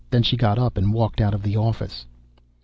Then she got up and walked out of the office.